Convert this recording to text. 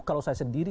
kalau saya sendiri